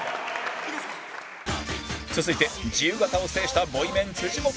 続いて自由形を制したボイメン本が登場